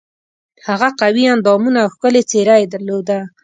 هغه قوي اندامونه او ښکلې څېره یې درلوده.